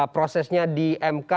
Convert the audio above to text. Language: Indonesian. prosesnya di mk